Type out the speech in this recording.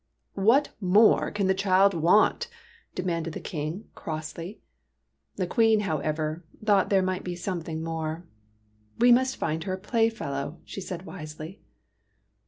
" What more can the child want ?" demanded the King, crossly. The Queen, however, thought there might be something more. "We must find her a playfellow," she said wisely.